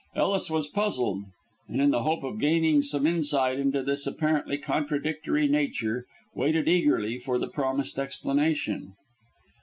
Ellis was puzzled, and in the hope of gaining some insight into this apparently contradictory nature, waited eagerly for the promised explanation.